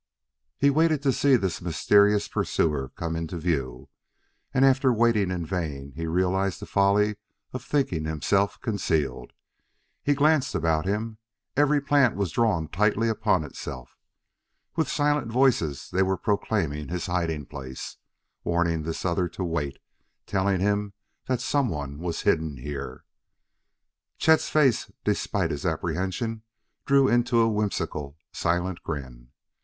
He waited to see this mysterious pursuer come into view; and after waiting in vain he realized the folly of thinking himself concealed. He glanced about him; every plant was drawn tightly upon itself. With silent voices they were proclaiming his hiding place, warning this other to wait, telling him that someone was hidden here. Chet's face, despite his apprehension, drew into a whimsical, silent grin.